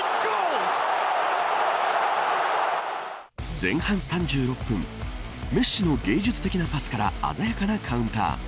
前半３６分メッシの芸術的なパスから鮮やかなカウンター。